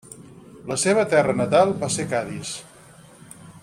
La seva terra natal va ser Cadis.